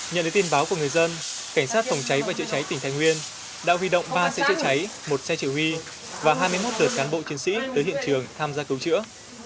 nhận được tin báo của người dân cảnh sát phòng cháy và chữa cháy tỉnh thái nguyên đã huy động ba xe chữa cháy một xe chỉ huy và hai mươi một lượt cán bộ chiến sĩ tới hiện trường tham gia cứu chữa